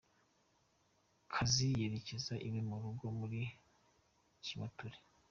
kazi yerekeza iwe mu rugo muri Kiwatule.